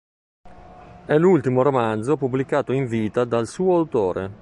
È l'ultimo romanzo pubblicato in vita dal suo autore.